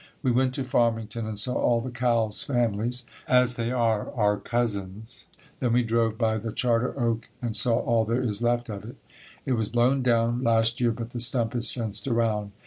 We went to Farmington and saw all the Cowles families, as they are our cousins. Then we drove by the Charter Oak and saw all there is left of it. It was blown down last year but the stump is fenced around.